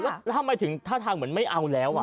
แล้วทำไมถึงท่าทางเหมือนไม่เอาแล้ว